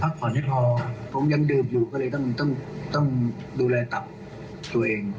ผ่อนให้พอผมยังดื่มอยู่ก็เลยต้องดูแลตับตัวเอง